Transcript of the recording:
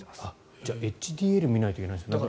じゃあ、ＨＤＬを見ないといけないんですね。